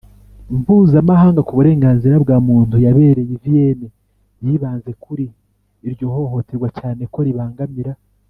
Mpuzamahanga ku Burenganzira bwa Muntu yabereye i Viyene yibanze kuri iryo hohoterwa cyane ko ribangamira